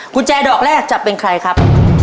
กุญแจดอกแรกจะเป็นใครครับ